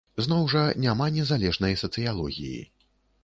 Зноў жа няма незалежнай сацыялогіі.